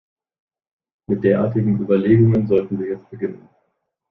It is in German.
Mit derartigen Überlegungen sollten wir jetzt beginnen.